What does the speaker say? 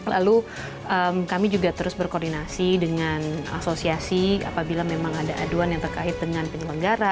lalu kami juga terus berkoordinasi dengan asosiasi apabila memang ada aduan yang terkait dengan penyelenggara